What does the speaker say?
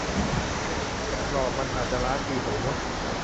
แต่กรอบมันอาจจะล้านปี สมมติ